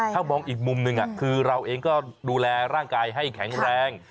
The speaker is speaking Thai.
ถ้ามองอีกมุมหนึ่งคือเราเองก็ดูแลร่างกายให้แข็งแรง